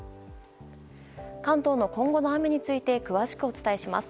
関東の今後の雨について詳しくお伝えします。